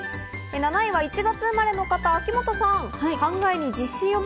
７位は１月生まれの方、秋元さん。